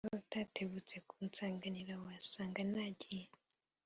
Iyaba utatebutse kunsanganira wa sanga najyiwe